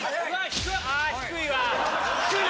あ低いわ！